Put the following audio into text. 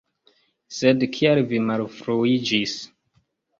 Sed kial vi malfruiĝis?